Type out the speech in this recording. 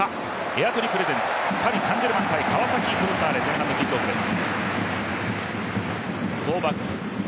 エアトリプレゼンツ、パリ・サン＝ジェルマン×川崎フロンターレ、前半のキックオフです。